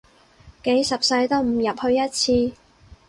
幾十世都唔入去一次